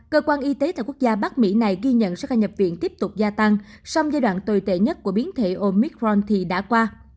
cơ quan y tế tại quốc gia bắc mỹ này ghi nhận số ca nhập viện tiếp tục gia tăng song giai đoạn tồi tệ nhất của biến thể omicron thì đã qua